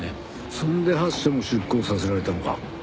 そんで８社も出向させられたのか。